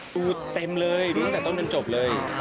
ดูเต็มเลยดูตั้งแต่ต้นจนจบเลย